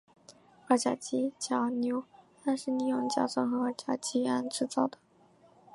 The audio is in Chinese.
二甲基甲醯胺是利用甲酸和二甲基胺制造的。